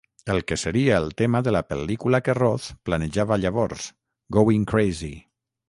El que seria el tema de la pel·lícula que Roth planejava llavors, Goin' Crazy!